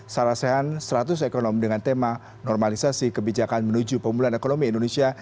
sarasehan seratus ekonomi dengan tema normalisasi kebijakan menuju pemulihan ekonomi indonesia